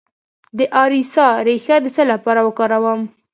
د اریسا ریښه د څه لپاره وکاروم؟